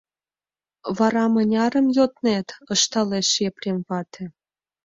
— Вара мынярым йоднет? — ышталеш Епрем вате.